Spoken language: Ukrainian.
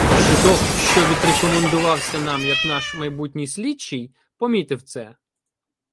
Жидок, що "відрекомендувався" нам як наш майбутній слідчий, помітив це.